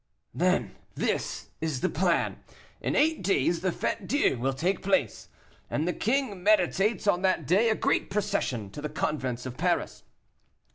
"This, then, is the plan. In eight days the Fête Dieu will take place, and the king meditates on that day a great procession to the convents of Paris.